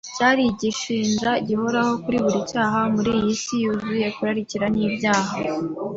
cyari igishinja gihoraho kuri buri cyaha muri iyi si yuzuye kurarikira n’ibyaha.